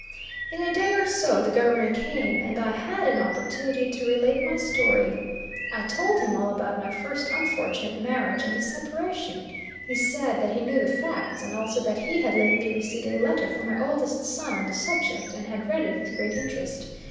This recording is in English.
In a day or two the Governor came, and I had an opportunity to relate my story. I told him all about my first unfortunate marriage, and the separation. He said that he knew the facts, and also that he had lately received a letter from my oldest son on the subject, and had read it with great interest.